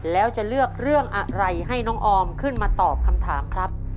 แล้วจะเลือกเรื่องอะไรให้น้องออมขึ้นมาตอบคำถามครับ